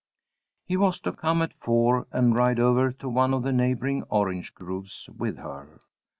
He was to come at four, and ride over to one of the neighbouring orange groves with her.